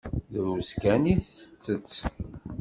Drus kan i tettett.